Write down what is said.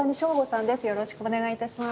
はいどうぞよろしくお願いいたします。